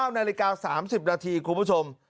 ๙นาฬิกา๓๐นาทีคุณผู้ชม